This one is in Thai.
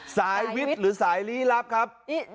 สายวิทย์หรือสายลี้ลับครับ